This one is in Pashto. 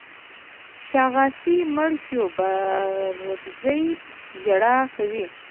شاغاسي مړ شو بارکزي ژړا کوي.